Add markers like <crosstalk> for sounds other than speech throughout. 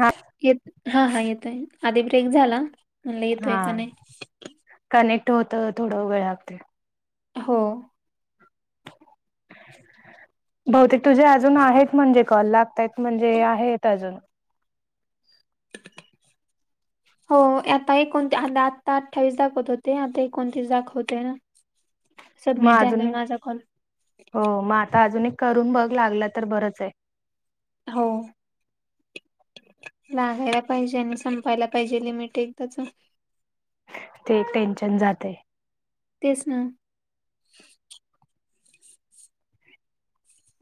हा येत, हा हा येतोय, आधी ब्रेक झाला. म्हणलं हा येतोय का नाही. कनेक्ट होतं, थोडं वेळ लागते. हो. बहतेक तुझे अजून आहेत, म्हणजे कॉल लागतायत म्हणजे आहेत अजून. हो, आता एकोणती आता अठ्ठावीस दाखवत होते. आता एकोणतीस दाखव होते ना. मग सबमिट अजून. झाला माझा कॉल हो, मग आता अजून करून बघ लागलं तर बरंच आहे. हो. लागायला पाहिजे. आणि संपायला पाहिजे लिमिट आहे त्यांच. ते टेन्शन जाते. तेच ना.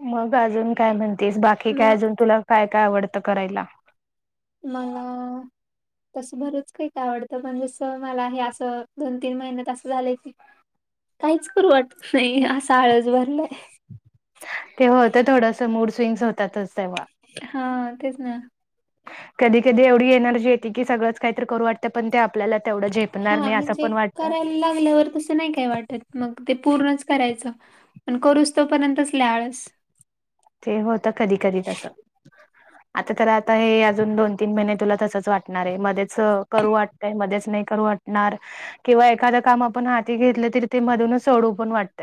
मग अजून काय म्हणतेस. बाकी काय म अजून तुला काय काय आवडतं करायला? मला तसं बरच काही का आवडतं. पण जसं मला हे असं दोन तीन महिन्यात असं, झालंय की काहीच करू वाटत नाही. असं आळस भरलाय. ते होतंय, थोडंसं मूड स्विंग्स होतातच तेव्हा. हा तेच ना. कधी - कधी एवढी एनर्जी ये की, सगळंच काहीतरी करू वाटतं. पण ते आपल्याला तेवढं झेपणार हा नाही. असं म्हणजे पण वाटतं. करायला लागल्यावर तसं नाही. काय वाटत मग ते पूर्णच करायचं. पण करूस तो पर्यंतच लय आळस. ते होत कधी- कधी तसं. आता खरं, आता हे अजून दोन तीन महिने तुला तसंच वाटणार आहे. मध्येच करू वाटतंय मध्येच नाही. करू वाट णार किंवा एखादं काम आपण हाती घेतलं तरी ते मधूनच सोडू पण वाटत.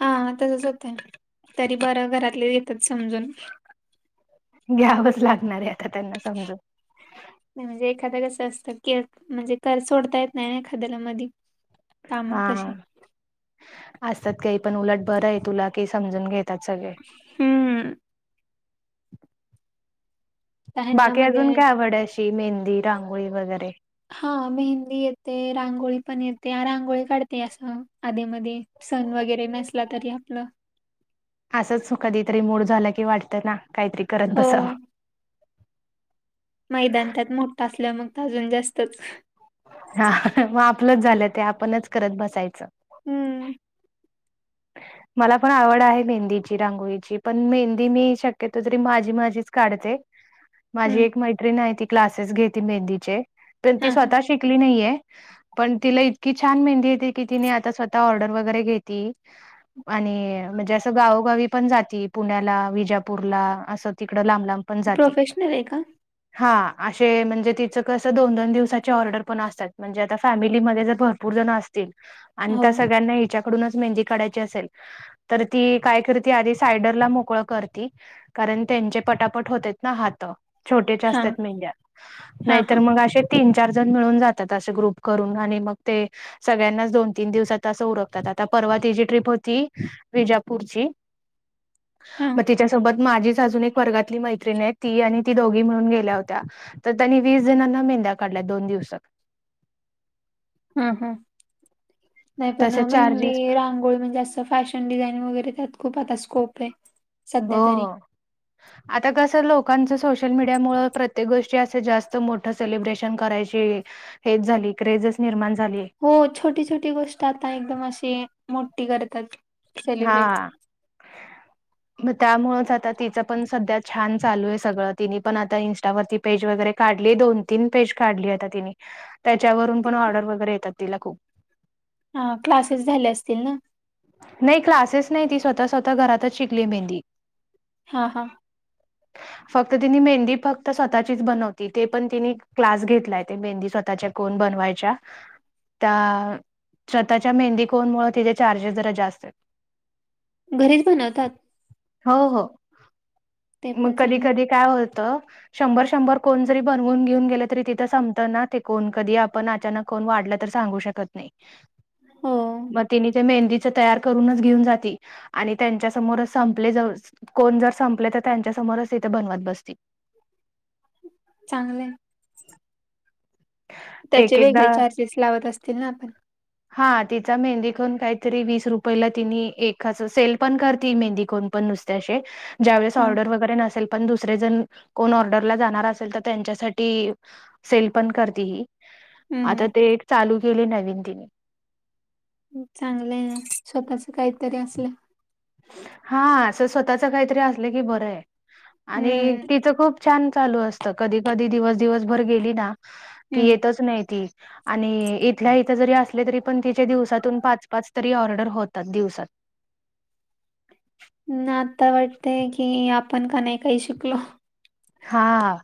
हा हा, तसंच होतंय, तरी बरं घरातले घेतात समजून. घ्यावंच लागणार आहे. आता त्यांना. समजून नाही म्हणजे एखादं कसं असतं की म्हणजे कर सोडता येत नाही ना एखाद्याला मधी. काम हा तशी असतात काही पण उलट बरं आहे तुला की समजून घेतात सगळे. हम् तर ह्यांना बाकी अजून मध्ये काय आवड अशी मेहंदी रांगोळी वगैरे हा मेहंदी येते रांगोळी पण येते रांगोळी काढते असं आधी मधे. सण वगैरे नसला तरी आपलं असंच कधीतरी मूड झालं की वाटतं ना काहीतरी करत हो बसावं. मैदान त्यात मोठं असल्या मग अजून जास्तच हा मग आपलंच झालं ते आपणच करत बसायचं. हम्म मला पण आवड आहे मेहंदीची रांगोळीची पण मेहंदी मी शक्यतो तरी माझी माझीच काढते. माझी हम्म एक मैत्रीण आहे ती क्लासेस घेते मेहंदीचे प ती हा हा स्वतः श कली नाही पण तिला इतकी छान मेहंदी येते की तिने आता स्वतः ऑर्डर वगैरे घेतीय. ह आणि म्हणजे असं गावोगावी पण जाती पुण्याला विजापूरला असं तिकड लांब लांब. पण जाती. प्रोफेशनल आहे का हा असे म्हणजे तिचं कसं दोन दोन दिवसाची ऑर्डर पण असतात म्हणजे आता फॅमिलीमध्ये जर भर भरपूर जण असतील आणि हो त्या सगळ्यांना हिच्याकडूनच मेहंदी काढायची असेल. तर ती काय करती आधी सायडरला मोकळं करती. कारण त्यांचे पटापट होते ना हात. छोट्याच्या हा असतात मेहंद्या हा हा नाहीतर मग असे. तीन चार जण मिळून जातात असे ग्रुप करून आणि मग ते. सगळ्यांनाच दोन तीन दिवसात असं उरकतात आता परवा ती जी ट्रीप होती विजापूरची हा मग तिच्या सोबत माझीच अजून एक वर्गातली मैत्रिण आहे ती आणि ती दोघी म्हणून गेल्या होत्या. तर त्यांनी वीस जणांना मेंद्या काढल्या दोन दिवसात. हम ह नाही पण तसे चार्जेस मेहंदी रांगोळी म्हणजे अस. फॅशन डिझायनिंग वगैरे त्यात खूप आता स्कोप आहे. हो सध्या तरी आता कसं लोकांचं सोशल मीडिया मुळं प्रत्येक गोष्टी असं जास्त मोठं सेलिब्रेशन करायची हेच झाली क्रेझस निर्माण झालीय. हो छोटी छोटी गोष्ट आता एकदम अशी मोठी करतात. हा सेलिब्रेट मग त्यामुळेच आता तिचं पण सध्या छान चालू आहे सगळं तिने पण आता इंस्टा वरती पेज वगैरे काढली दोन तीन पेज काढली आता तिनी. त्याच्यावरून पण ऑर्डर वगैरे येतात तिला खूप. हा क्लासेस झाले असतील ना. नाही क्लासेस नाही ती स्वतः स्वतः घरातच शिकली मेहंदी. हा हा <unintelligible> फक्त तिने मेहंदी फक्त स्वतःचीच बनवती ते पण तिने क्लास घेतलाय ते मेहंदी स्वतःच्या कोण बनवायच्या त्या स्वतः मेहंदी कोनमूळ तिचं चार्जे र्जेस जरा जास्त आहेत. घरीच बनवतात ह हो ते मग पण कधी चांगले कधी काय होतं शंभर शंभर कोण जरी बनवून घेऊन गेले तरी तिथं संपत ना ते कोण. कधी आपण अचानक कोण वाढलं तर सांगू शकत नाही. हो म तिने ते मेहंदी च तयार करूनच घेऊन जाती. आणि त्यांच्या समोर संपले जव कोण जर संपले तर त्यांच्या समोरच तिथं बनवत बसती. चांगलये. एक त्याचे एकदा वेगळे चार्जेस लावत असतील ना पण? हा तिचा मेहंदी कोन काहीतरी वीस रुपयला तिनी एकाच, सेल पण करती मेंदी कोन पण नुसते असे. ज्यावेळेस हा ऑर्डर वगैरे नसेल पण दुसरे जर कोण ऑर्डरला जाणार असेल तर त्यांच्या साठी सेल पण करते ही. हम्म आता हम्म ते चालू केली नवीन तिने. चांगलय ना, स्वतःच काहीतरी असल हा अस स्वतःच काहीतरी असलं की बरं आहे आणि हम्म तिचं खूप छान चालू असत. कधी कधी दिवस दिवसभर गेली ना की हम्म येतच नाही ती. आणि इथल्या इथं जरी असले तरी पण तिच्या दिवसातून पाच पाच तरी ऑर्डर होतात दिवसात. न आता वाटतेय की आपण का नाही काही शिकलो. हा,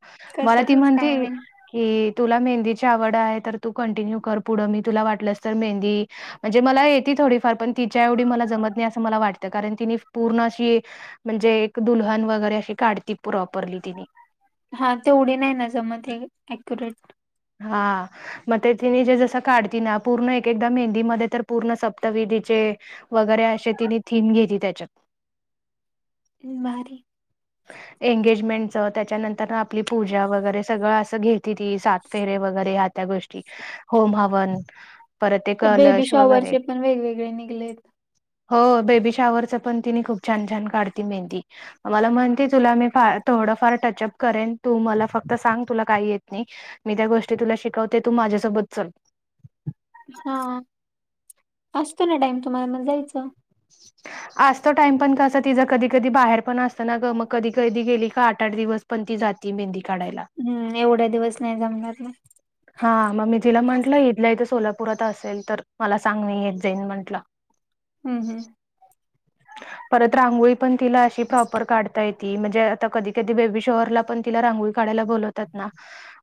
मला ती कशातच काय म्हणती नाही की तुला मेहंदीची आवड आहे, तर तू कंटिन्यू कर पुढं. मी तुला वाटलंस तर मेहंदी म्हणजे मला येते थोडीफार पण तिच्या एवढी मला जमत नाही असं मला वाटतं. कारण तिने पूर्ण अशी म्हणजे एक दुल्हन वगैरे अशी काढती प्रॉपरली तिने. हा तेवढी नाही ना जमते अक्युरेट. हा. मग ते तिने जे जसं काढती ना पूर्ण एक एकदा मेहंदीमध्ये तर पूर्ण सप्तविधीचे वगैरे असे तिने थीम घेती त्याच्यात. म भारी. एंगेजमेंटच, त्याच्यानंतर आपली पूजा वगैरे, सगळं असं घेत ती. सात फेरे वगैरे ह्या त्या गोष्टी. होम हवन परत ते बेबी कलश वगैरे शॉवरचे पण वेगवेगळे निघलेत. हो, बेबी शॉवरच पण तिने खूप छान छान काढती मेहंदी. मला म्हण ती तुला मी फा थोडं फार टचअप करेन. तू मला फक्त सांग तुला काही येत नाही. मी त्या गोष्टी तुला शिकवते. तू माझ्यासोबत चल. हं, असतो ना टाईम तुम्हाला म जायचं. <inaudible> असतो टाइम पण कसा तिचां कधी कधी बाहेर पण असतं ना ग. मग कधी कधी गेली का आठ आठ दिवस पण ती जाती मेहंदी काढायला. हं, एवढ्या दिवस नाही जमणार ना. हा, मग मी तिला म्हटलं, इथल्या इथं सोलापुरात असेल तर मला सांग. मी येत जाईन म्हटलं. <inaudible> हं हं. परत रांगोळी पण तिला अशी प्रॉपर काढता येत ती. म्हणजे आता कधी कधी बेबी शॉवरला पण तिला रांगोळी काढायला बोलवतात ना.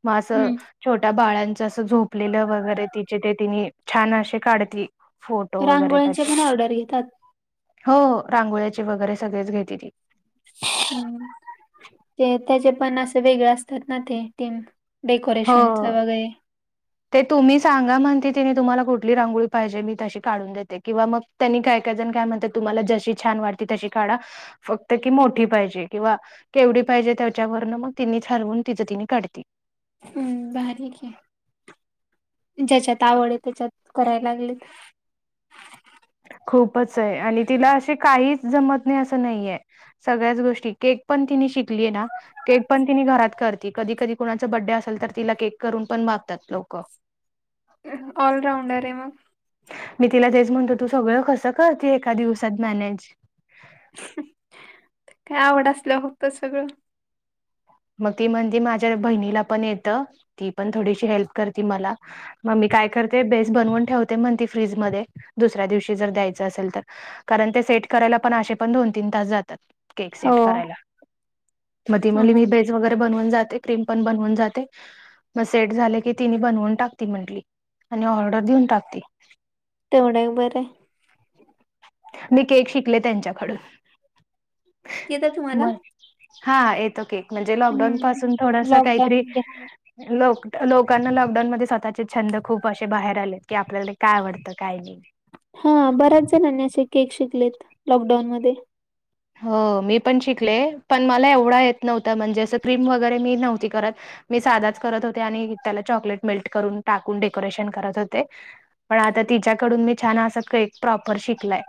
मग असं हम्म छोट्या बाळांचं असं झोपलेलं वगैरे तिचे ते तिने छान असे काढती. फोट रांगोळच्या पण ऑर्डर घेतात. हो, रांगोळ्याची वगैरे सगळेच घेते ती. हं. ते त्याचे पण असं वेगळे असतात ना ते टीम. डेकोरेशनच हो वगैरे ते तुम्ही सांगा म्हणते तिने तुम्हाला कुठली रांगोळी पाहिजे मी तशी काढून देते किंवा मग त्यांनी काय काय जण काय म्हणत्यात तुम्हाला जशी छान वाटते तशी काढा फक्त कि मोठी पाहिजे किंवा केवढी पाहिजे त्याच्यावरन मग तिनी ठरवून तिचं तिनी काढते. हम्म भारीये की ज्याच्यात आवड ये त्याच्यात कराया लागली. खूपच ये आणि तिला अशी काहीच जमत नाही असं नाहीये. सगळ्याच गोष्टी केक पण तिने शिकलीये ना केक पण तिनी घरात करती कधी कधी कोणाच बड्डे असल तर तिला केक करून पण मागतात लोक <inaudible> ऑलराऊंडर ये मग मी तिला तेच म्हणतो तू सगळं कसं करते एका दिवसात मॅनेज काय आवड असल्यावर होतं सगळं मग ती म्हणती माझ्या बहिणीला पण येतं ती पण थोडीशी हेल्प करती मला मग मी काय करते बेस बनवून ठेवते म्हणती फ्रीजमध्ये दुसऱ्या दिवशी जर द्यायचं असेल तर कारण ते सेट करायला पण अशे पण दोन तीन तास जातात. केक हो सेट करायला म ती हो म्हणली ना मी बेस वैगेरे बनवून जाते क्रीम पण बनवून जाते. मग सेट झाले की तिनी बनवून टाकती म्हंटली आणि ऑर्डर देऊन टाकती. तेवढ बरये. मी केक शिकले त्यांच्याकडून येतं तुम्हाला मग हा येतो केक म्हणजे लॉकडाऊन हम्म पासून थोडस लॉकडाऊन काहीतरी मध्ये हा लोक लोकांना लॉकडाऊन मध्ये स्वतःचे छंद खूप अशे बाहेर आलेत की, आपल्याला काय आवडतं काय नाही. हा बऱ्याच जणांनी असे केक शिकलेत लॉकडाऊनमध्ये हो मी पण शिकले पण मला एवढा येत नव्हता म्हणजे असं क्रीम वगैरे मी नव्हती करत. मी साधाच करत होते आणि त्याला चॉकलेट मेल्ट करून टाकून डेकोरेशन करत होते. पण आता तिच्याकडून मी छान असा केक प्रॉपर शिकलाय.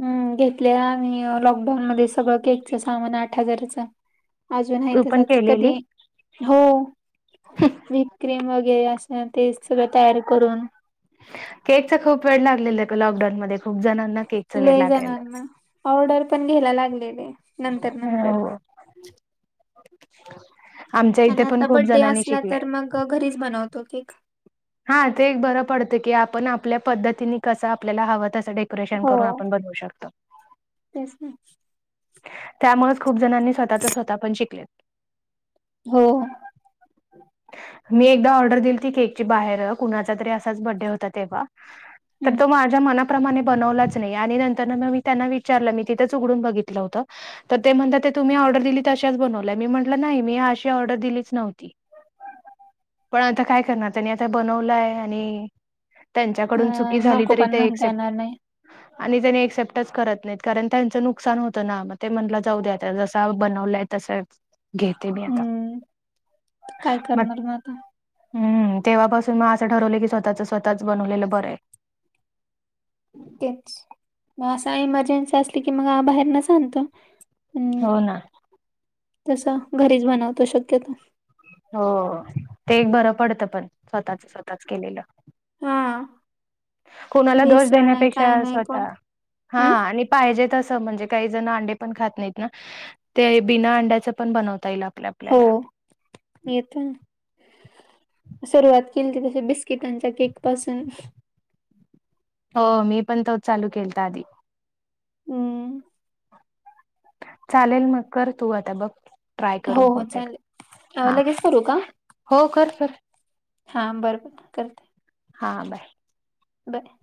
हम्म घेतले आम्ही लॉकडाऊन मध्ये सगळं केकच सामान आठ हजाराच अजून आहे तू पण तसच केलेली. कधी हो मी क्रीम वगैरे असते ना ते सगळं तयार करून केकच खूप वेड लागलेल लॉकडाऊन मध्ये खूप जणांना केकच वेड लय लागायल जणांना ऑर्डर पण घ्यायला लागलेले नंतर नंतर हो. आमच्या आणि इथे पण आता खूप बड्डे जणांनी असला शिकले. तर मग घरीच बनवतो केक हा ते एक बरं पडते की आपण आपल्या पद्धतीने कसं आपल्याला हवं तसं डे डेकोरेशन हो करून आपण बनवू शकतो. तेच ना त्यामुळेच खूप जणांनी स्वतःच स्वतः पण शिकले. हो. <inaudible> मी एकदा ऑर्डर दिलती केकची बाहेर कुणाचा तरी असाच बर्थडे होता तेव्हा तर हम्म तो माझ्या मना प्रमाणे बनवलाच नाही आणि नंतरन मग मी त्यांना विचारलं मी तिथंच उघडून बघितलं होत. तर ते म्हणता ते तुम्ही ऑर्डर दिली तशाच बनवल्याय मी म्हटलं नाही, मी अशी ऑर्डर दिलीच नव्हती. पण आता काय करणार त्यांनी आता बनवलाय आणि त्यांच्याकडून चुकी अं, झाली नको तरी पण ते म्हणता एक्सेप्ट येणार नाही आणि त्यानी एक्सेप्टच करत नाहीत. कारण त्यांच नुकसान होत ना मग ते म्हणला जाऊ दे आता जसा बनवलाय तसा घेते मी आता हम्म काय म करणार मग आता हम्म तेव्हापासून मग अस ठरवल की स्वतःच स्वतःच बनवलेल बरय. तेच म असा इमर्जन्सी असली की मग बाहेरनच आणतो. हो ना तस घरीच बनवतो शक्यतो. हो ते एक बर पडत पण स्वतःच स्वतःच केलेल. हां कुणाला दोष काय देण्यापेक्षा नाही कोण स्वतः हा हम्म आणि पाहिजे तस म्हणजे काही जण अंडे पण खात नाहीत ना. ते बिना अंड्याच पण बनवता येईल आ हो येत ना. सुरुवात केलती तशी बिस्किटांच्या केक पासून. हो मी पण तोच चालू केलता आधी. हम्म चालेल मग कर तू आता बघ ट्राय हो करून हो होते का. चालेल. हां लगेच करू का? हो कर कर. हा बर बर करते हां बाय बरय